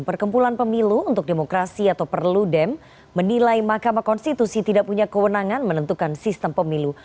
perkempulan pemilu untuk demokrasi atau perludem menilai mahkamah konstitusi tidak punya kewenangan menentukan sistem pemilu